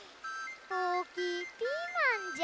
おおきいピーマンじゃ。